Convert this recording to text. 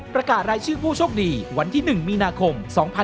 ประกาศรายชื่อผู้โชคดีวันที่๑มีนาคม๒๕๖๒